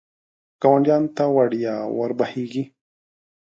ګاونډیانو ته وړیا ور بهېږي.